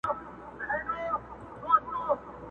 نې مني جاهل افغان ګوره چي لا څه کیږي٫